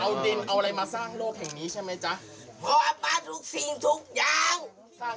เอาดินเอาอะไรมาสร้างโลกแห่งนี้ใช่ไหมจ๊ะ